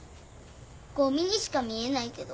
ゴミにしか見えないけど。